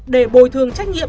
để bồi thường trách nhiệm